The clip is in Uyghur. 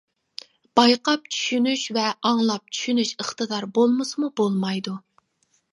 بايقاپ چۈشىنىش ۋە ئاڭلاپ چۈشىنىش ئىقتىدار بولمىسىمۇ بولمايدۇ.